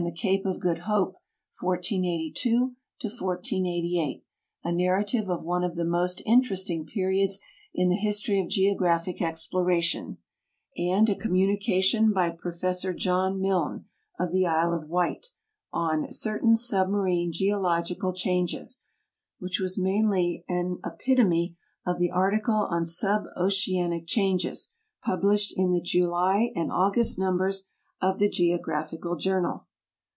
I ili»' Cape of Good Hope, 1482 to 1488, a narrative of one of the most in teresting periods in the history of geographic exploration, and a communication by Prof. John Milne, of the Isle of Wight, on Certain Submarine Geological Changes, which was mainly an epitome of the article on Suboceanic Changes, published in" the July and August numbers of the Geographical Journal.